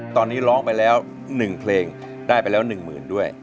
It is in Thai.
ตอนนี้ร้องไปแล้ว๑เพลงได้ไปแล้ว๑หมื่นด้วย